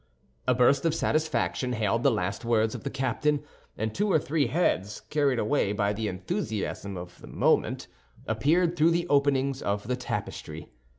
A burst of satisfaction hailed the last words of the captain; and two or three heads, carried away by the enthusiasm of the moment, appeared through the openings of the tapestry.